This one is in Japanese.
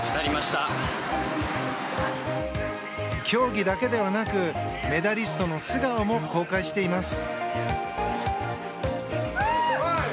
競技だけではなくメダリストの素顔も公開しています。